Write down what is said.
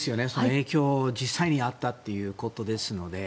影響が実際にあったということですので。